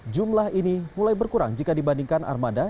jumlah ini mulai berkurang jika dibandingkan armada